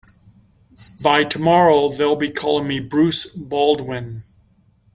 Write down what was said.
By tomorrow they'll be calling me Bruce Baldwin.